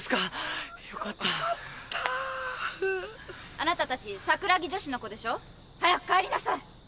あなたたち桜木女子の子でしょ？早く帰りなさい。